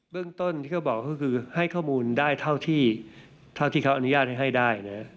เรื่องต้นที่เขาบอกก็คือให้ข้อมูลได้เท่าที่เขาอนุญาตให้ได้นะ